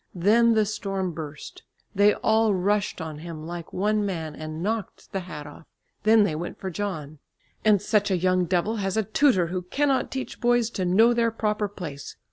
Then the storm burst. They all rushed on him like one man and knocked the hat off. Then they went for John, "And such a young devil has a tutor who cannot teach boys to know their proper place!